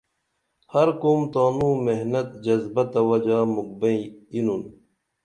ہر قوم تانوں محنت جذبہ تہ وجا مُکھ بئیں یینُن